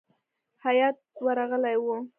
هیات ورغلی وو.